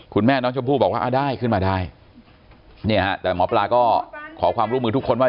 คุณแม่น้องชมพู่บอกว่าได้ขึ้นมาได้เนี่ยฮะแต่หมอปลาก็ขอความร่วมมือทุกคนว่า